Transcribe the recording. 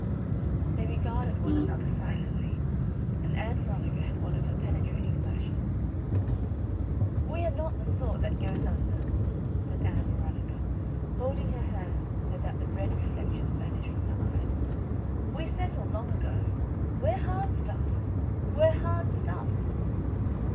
They regarded one another silently, and Ann Veronica had one of her penetrating flashes. "We are not the sort that goes under," said Ann Veronica, holding her hands so that the red reflections vanished from her eyes. "We settled long ago we're hard stuff. We're hard stuff!"